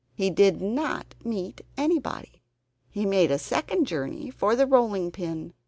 He did not meet anybody. He made a second journey for the rolling pin.